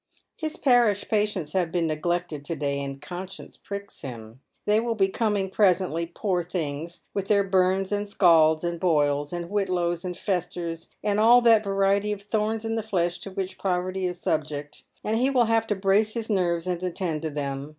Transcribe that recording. His parish patients have been neglected to day, and conscience pricks him. They will be coming presently, poor things, with their burns and Bcalds, and boils, and wliitlows, and festers, and all that variety of tioms in the flesh to which poverty is subject, and he will have to brace his nerves and attend to them.